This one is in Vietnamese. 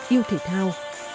yêu thể thao